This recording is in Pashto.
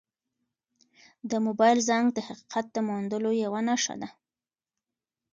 د موبایل زنګ د حقیقت د موندلو یوه نښه شوه.